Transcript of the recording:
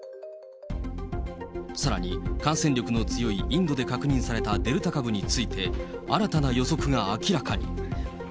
さらに、感染力の強いインドで確認されたデルタ株について、新たな予測が明らかに。